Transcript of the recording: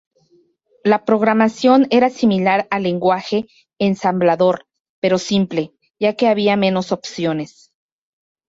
La programación era similar al lenguaje ensamblador, pero simple, ya que había menos opciones.